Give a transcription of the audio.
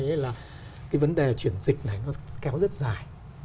cái vấn đề chuyển dịch này nó kéo rất dài